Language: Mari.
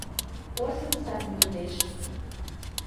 Порсын сапым йодеш.